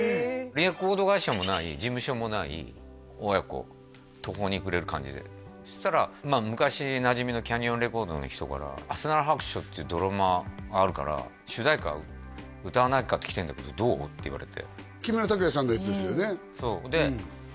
レコード会社もない事務所もない親子途方に暮れる感じでそしたら昔なじみのキャニオンレコードの人から「あすなろ白書」っていうドラマあるから主題歌歌わないかってきてんだけどどう？って言われて木村拓哉さんのやつですよね？